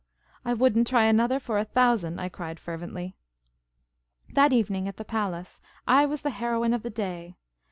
I would n't try another for a thousand," I cried fer vently. That evening, at the palace, I was the heroine of the day.